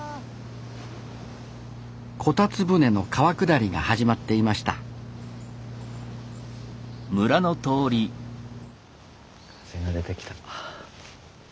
こたつ舟の川下りが始まっていました風が出てきた。